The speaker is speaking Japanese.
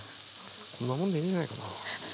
こんなもんでいいんじゃないかな。